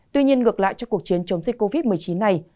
tuy nhiên ngược lại cho cuộc chiến chống dịch covid một mươi chín này